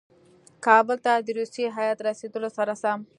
کابل ته د روسي هیات رسېدلو سره سم.